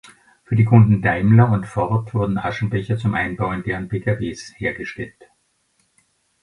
Für die Kunden Daimler und Ford wurden Aschenbecher zum Einbau in deren Pkws hergestellt.